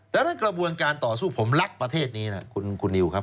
ดังนั้นกระบวนการต่อสู้ผมรักประเทศนี้นะคุณนิวครับ